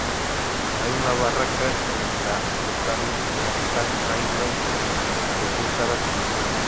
Hay una barraca de la Ontario Northland Railway que fue usada como escuela.